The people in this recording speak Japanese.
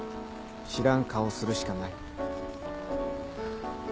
知らん顔するしかない。